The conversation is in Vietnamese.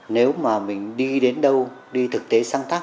nếu mà mình đi đến đâu đi thực tế sáng tác